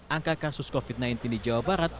angka kasus covid sembilan belas di jawa barat